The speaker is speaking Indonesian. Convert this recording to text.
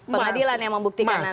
pengadilan yang membuktikan nanti